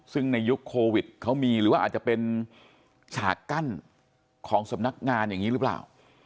ซึ่งในยุคโควิดเขามีหรือว่าอาจจะเป็นฉากกั้นของสำนักงานอย่างนี้หรือเปล่า